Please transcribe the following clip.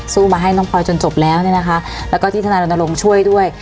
มาให้น้องพลอยจนจบแล้วเนี่ยนะคะแล้วก็ที่ทนายรณรงค์ช่วยด้วย